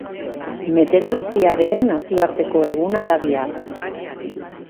Meterologiaren nazioarteko eguna da bihar.